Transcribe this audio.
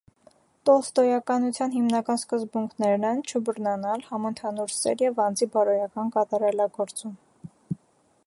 Տոլստոյականության հիմնական սկզբունքներն են՝ չբռնանալ, համընդհանուր սեր և անձի բարոյական կատարելագործում։